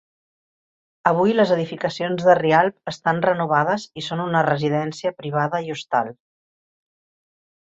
Avui, les edificacions de Rialb estan renovades i són una residència privada i hostal.